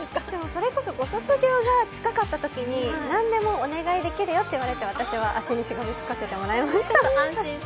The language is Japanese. それこそご卒業が近かったときになんでもお願いできるよって言われて私は足にしがみつかせてもらいました。